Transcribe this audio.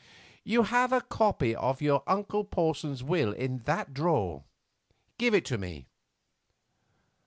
"You have a copy of your uncle Porson's will in that drawer; give it me."